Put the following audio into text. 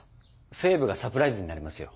フェーブがサプライズになりますよ。